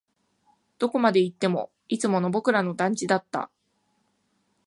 どこまで行っても、いつもの僕らの団地だった